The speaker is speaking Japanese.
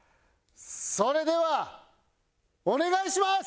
それではお願いします！